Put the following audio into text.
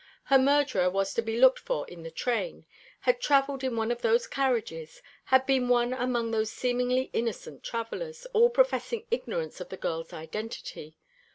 Her murderer was to be looked for in the train, had travelled in one of those carriages, had been one among those seemingly innocent travellers, all professing ignorance of the girl's identity.